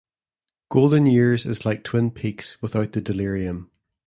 "Golden Years" is like "Twin Peaks" without the delirium.